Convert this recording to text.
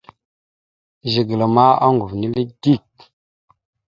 Zigəla ma oŋgov nele dik.